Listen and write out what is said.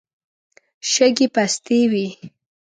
شګې پستې وې.